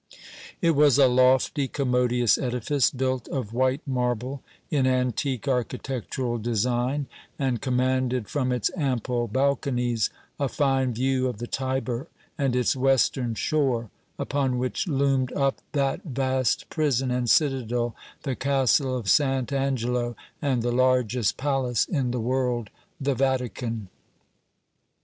It was a lofty, commodious edifice, built of white marble in antique architectural design, and commanded from its ample balconies a fine view of the Tiber and its western shore, upon which loomed up that vast prison and citadel, the Castle of St. Angelo, and the largest palace in the world, the Vatican.